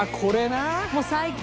もう最高！